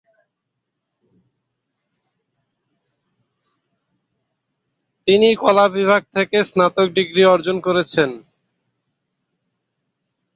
তিনি কলা বিভাগ থেকে স্নাতক ডিগ্রি অর্জন করেছেন।